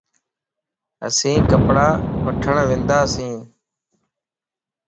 اسين ڪپڙا وٺڻ ونداسين